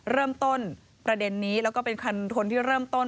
เริ่มต้นประเด็นนี้แล้วก็เป็นคันทนที่เริ่มต้น